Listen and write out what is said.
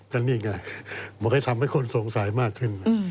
ก็นี่ไงมันก็ทำให้คนสงสัยมากขึ้น